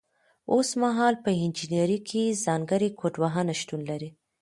اوس مهال په انجنیری کې ځانګړي کوډونه شتون لري.